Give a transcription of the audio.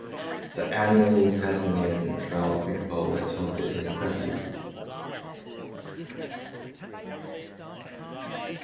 The annual Tasmanian Trout Expo is hosted in Cressy.